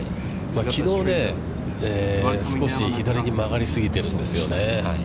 きのう、少し左に曲がり過ぎてるんですよね。